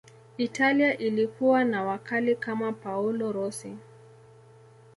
italia ilikuwa na wakali kama paolo rossi